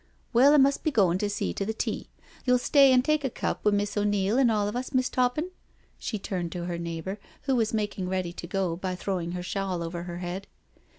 Well, I must be goin' to see to the tea. You'll stay an' tak a cup wi* Miss O'Neil an' all of us. Miss' Toppin?" She turned to her neighbour, wh^ was making ready to go by throwing her shawl over her head.